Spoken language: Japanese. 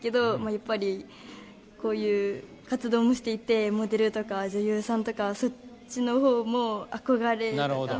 やっぱりこういう活動もしていてモデルとか女優さんとかそっちのほうも憧れとか迷ったりはしていますね。